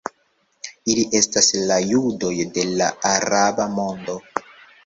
Ili estas la judoj de la araba mondo.